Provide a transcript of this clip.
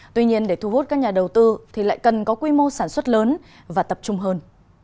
tuy nhiên để thu hút các nhà đầu tư thì lại cần có quy mô sản xuất lớn và tập trung hơn